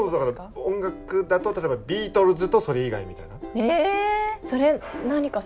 音楽だと例えばビートルズとそれ以外みたいな。え！